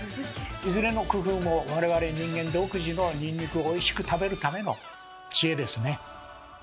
いずれの工夫も我々人間独自のニンニクをおいしく食べるための知恵ですね。